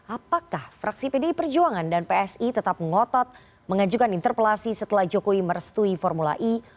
apakah fraksi pdi perjuangan dan psi tetap ngotot mengajukan interpelasi setelah jokowi merestui formula e